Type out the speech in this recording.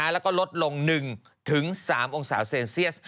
แล้วก็ลดลง๑๓องศาเซลเซียส